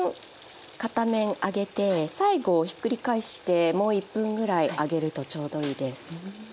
片面揚げて最後ひっくり返してもう１分ぐらい揚げるとちょうどいいです。